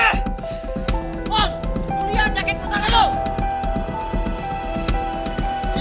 lihat jaket pesawat itu